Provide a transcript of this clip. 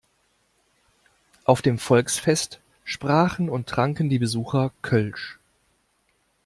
Auf dem Volksfest sprachen und tranken die Besucher Kölsch.